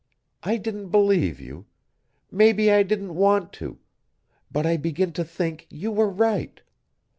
I didn't believe you maybe I didn't want to but I begin to think you were right.